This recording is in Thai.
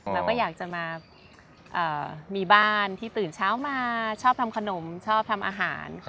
เราก็อยากจะมามีบ้านที่ตื่นเช้ามาชอบทำขนมชอบทำอาหาร